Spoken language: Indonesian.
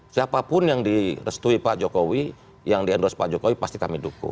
siapapun yang direstui pak jokowi yang di endorse pak jokowi pasti kami dukung